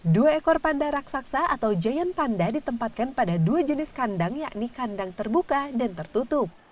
dua ekor panda raksasa atau giant panda ditempatkan pada dua jenis kandang yakni kandang terbuka dan tertutup